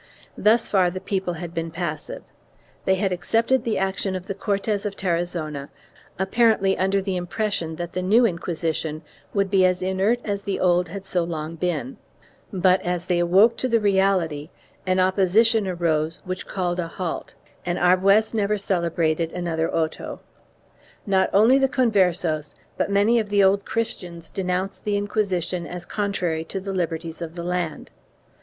Thus far the people had been passive; they had accepted the action of the Cortes of Tarazona, apparently under the impression that the new Inquisition would be as inert as the old had so long been, but, as they awoke to the reality, an opposition arose which called a halt and Arbues never celebrated another auto. Not only the Conversos but many of the Old Christians denounced the Inquisition as contrary to the liberties of the land.